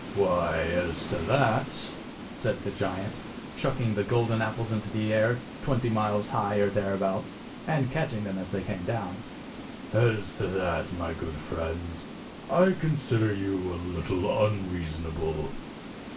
"Why, as to that," said the giant, chucking the golden apples into the air twenty miles high or thereabouts, and catching them as they came down "as to that, my good friend, I consider you a little unreasonable.